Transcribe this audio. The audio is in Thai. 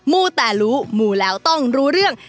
ูแต่รู้มูแล้วต้องรู้เรื่อง